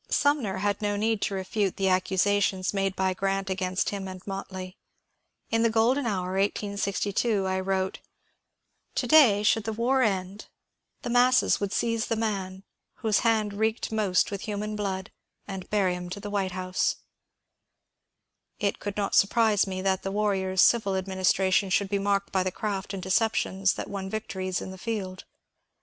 Sumner had no need to refute the accusations made by Grant against him and Motley. In "The Golden Hour," 1862, 1 wrote, " To day, should the war end, the masses would 266 MONCURE DANIEL CONWAY seize the man whose hand reeked most with human blood and bear him to the White House/' It could not surprise me that the warrior's oivil administration should be marked by the craft and deceptions that won victories in the field.